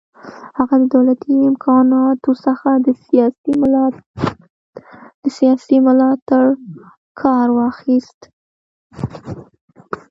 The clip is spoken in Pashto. هغه د دولتي امکاناتو څخه د سیاسي ملاتړ لپاره کار واخیست.